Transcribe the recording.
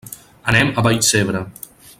Anem a Vallcebre.